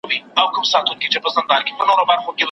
ته ولې له کتابه تښتې؟